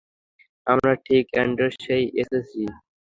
আমরা ঠিক অ্যাড্রেসেই এসেছি।